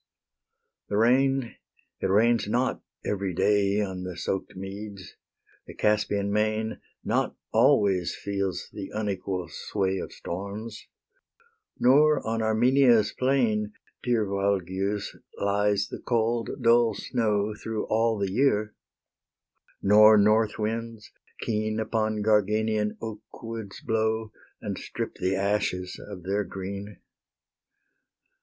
The rain, it rains not every day On the soak'd meads; the Caspian main Not always feels the unequal sway Of storms, nor on Armenia's plain, Dear Valgius, lies the cold dull snow Through all the year; nor northwinds keen Upon Garganian oakwoods blow, And strip the ashes of their green.